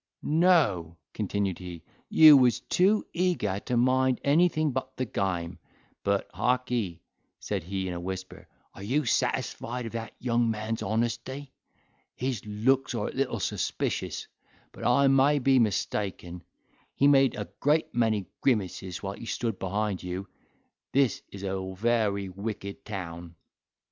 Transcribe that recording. "No," continued he; "you was too eager to mind anything but the game. But, harkee," said he in a whisper, "are you satisfied of that young man's honesty? His looks are a little suspicious—but I may be mistaken; he made a great many grimaces while he stood behind you, this is a very wicked town."